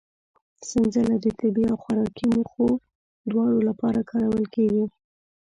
سنځله د طبي او خوراکي موخو دواړو لپاره کارول کېږي.